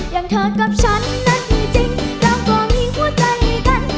อย่างเธอกับฉันนั้นจริงเราก็มีหัวใจกัน